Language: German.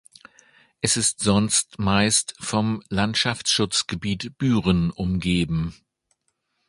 Es ist sonst meist vom Landschaftsschutzgebiet Büren umgeben.